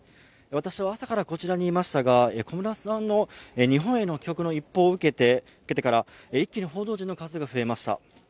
私は朝からこちらにいましたが小室さんの日本への帰国の一報を受けてから一気に報道陣の数が増えました。